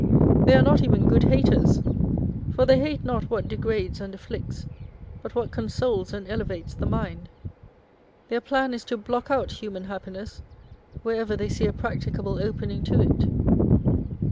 They are not Tlie New School of Reform. 25S even " good haters :" for they hate not what degrades and afflicts, but what consoles and elevates the mind. Their plan is to Uock out human happiness wherever they see a practicable opening to it.